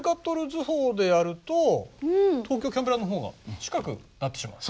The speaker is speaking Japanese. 図法でやると東京キャンベラのほうが近くなってしまう。